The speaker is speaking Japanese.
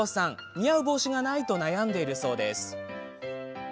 似合う帽子がないと悩んでいるそうです。